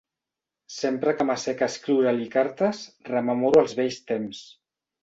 Sempre que m'assec a escriure-li cartes rememoro els vells temps.